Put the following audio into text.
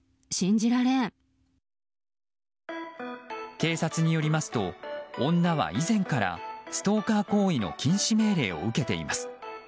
警察によりますと女は以前からストーカー行為の禁止命令を受けています。